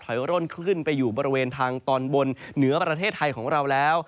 ร่นขึ้นไปอยู่บริเวณทางตอนบนเหนือประเทศไทยของเราแล้ว